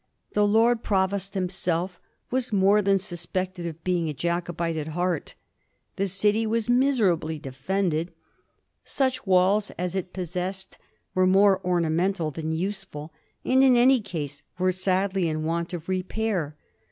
The Lord Provost himself was more than suspected of being a Jaco bite at heart. The city was miserably defended. Such walls as it possessed were more ornamental than usef ul, and in any case were sadly in want of repair.